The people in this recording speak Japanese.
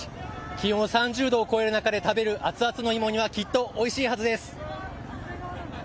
気温３０度を超える中で食べる熱々の芋煮はきっとおいしいはずです。